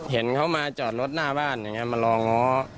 เห็นเขามาจอดรถหน้าบ้านมารอง้อ